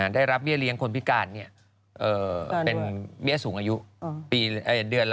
ได้รับเบี้ยเลี้ยงคนพิการเป็นเบี้ยสูงอายุปีเดือนละ